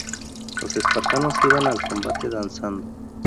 Los espartanos iban al combate danzando.